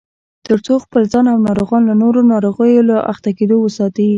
ترڅو خپل ځان او ناروغان له نورو ناروغیو له اخته کېدو وساتي